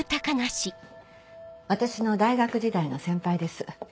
私の大学時代の先輩です。